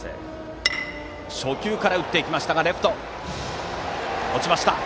初球から打っていってレフトに落ちました。